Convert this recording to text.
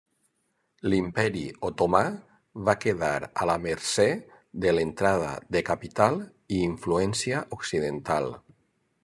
L'imperi Otomà va quedar a la mercè de l'entrada de capital i influència occidental.